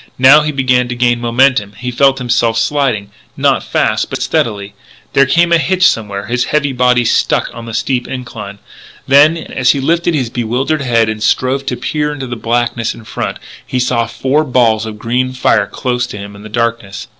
Now he began to gain momentum; he felt himself sliding, not fast but steadily. There came a hitch somewhere; his heavy body stuck on the steep incline. Then, as he lifted his bewildered head and strove to peer into the blackness in front, he saw four balls of green fire close to him in darkness.